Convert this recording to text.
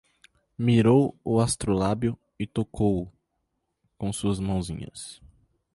Mirou o astrolábio e tocou-o com suas mãozinhas